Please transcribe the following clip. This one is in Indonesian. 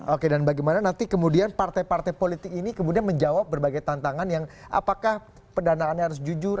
oke dan bagaimana nanti kemudian partai partai politik ini kemudian menjawab berbagai tantangan yang apakah pendanaannya harus jujur